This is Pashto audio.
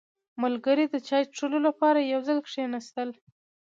• ملګري د چای څښلو لپاره یو ځای کښېناستل.